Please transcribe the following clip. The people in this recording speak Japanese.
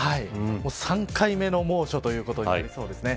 ３回目の猛暑ということになりそうですね。